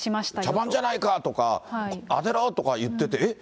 茶番じゃないかとか、当てろとか言ってて、えっ？